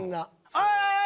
おい！